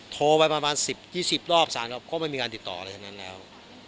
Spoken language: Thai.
โทรไว้ประมาณสิบยี่สิบรอบสายก็ไม่มีการติดต่อเลยทั้งนั้นแล้ว